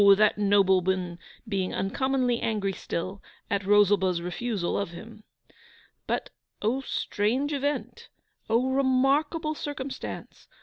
that nobleman being uncommonly angry still at Rosalba's refusal of him. But O strange event! O remarkable circumstance!